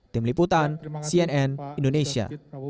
tim liputan cnn indonesia